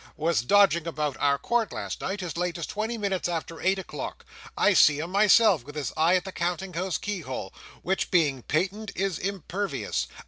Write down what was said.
—was dodging about our court last night as late as twenty minutes after eight o'clock. I see him myself, with his eye at the counting house keyhole, which being patent is impervious.